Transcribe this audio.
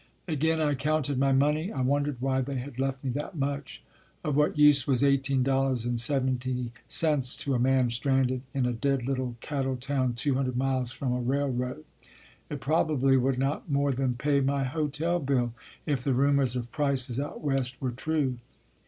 Again I counted my money. I wondered why they had left me that much. Of what use was eighteen dollars and seventy cents to a man stranded in a dead little cattle town two hundred miles from a railroad? It probably would not more than pay my hotel bill, if the rumors of prices out West were true.